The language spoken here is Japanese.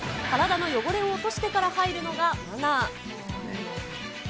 体の汚れを落としてから入るのがマナー。